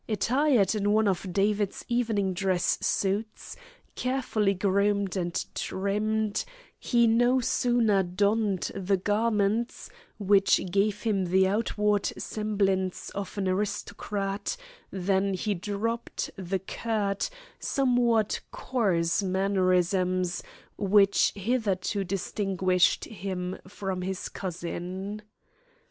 Attired in one of David's evening dress suits, carefully groomed and trimmed, he no sooner donned the garments which gave him the outward semblance of an aristocrat than he dropped the curt, somewhat coarse, mannerisms which hitherto distinguished him from his cousin.